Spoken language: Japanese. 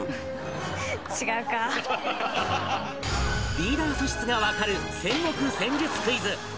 リーダー素質がわかる戦国戦術クイズ